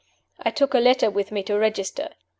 I took a letter with me to register.